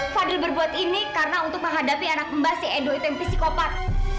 fadil berbuat ini karena untuk menghadapi anak mbak si edoit yang psikopat